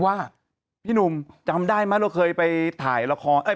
ว่าพี่หนุ่มจำได้ไหมเราเคยไปถ่ายละคร